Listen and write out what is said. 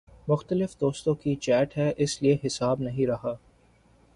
مختلف دوستوں کی چیٹ ہے اس لیے حساب نہیں رہا